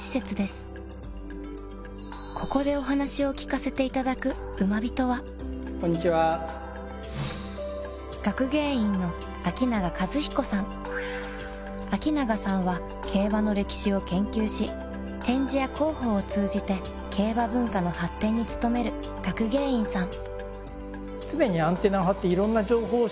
ここでお話を聞かせていただくウマビトはこんにちは秋永さんは競馬の歴史を研究し展示や広報を通じて競馬文化の発展につとめる学芸員さん